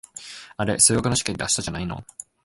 あれ、数学の試験って明日じゃないの？